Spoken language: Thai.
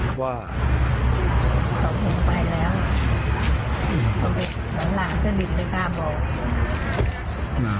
น้องเช้าที่สาวของของก็คือใคร